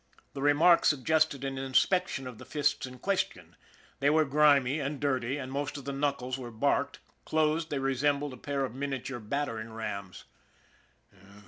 The remark suggested an inspection of the fists in question. They were grimy and dirty, and most of the knuckles were barked; closed, they resembled a pair of miniature battering rams.